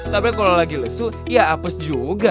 tapi kalau lagi lesu ya apes juga